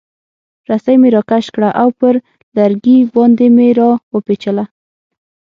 رسۍ مې راکش کړه او پر لرګي باندې مې را وپیچله.